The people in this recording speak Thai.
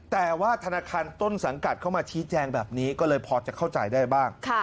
แต่ว่าธนาคารต้นสังกัดเข้ามาชี้แจงแบบนี้ก็เลยพอจะเข้าใจได้บ้าง